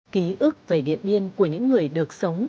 ký ức về điện biên của những người được sống